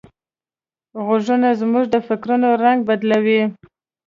غږونه زموږ د فکرونو رنگ بدلوي.